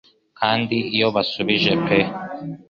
Kandi iyo basubije pe